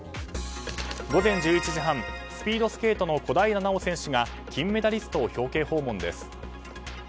午前１１時半スピードスケートの小平奈緒選手が金メダリストを表敬訪問です。